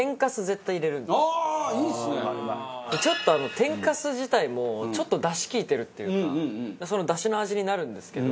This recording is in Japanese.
天かす自体もちょっと出汁利いてるっていうかその出汁の味になるんですけど